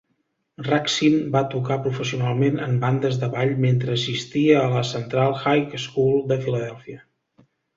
Raksin va tocar professionalment en bandes de ball mentre assistia a la Central High School de Filadèlfia.